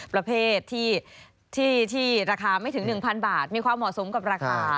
ประเภทที่ราคาไม่ถึง๑๐๐บาทมีความเหมาะสมกับราคา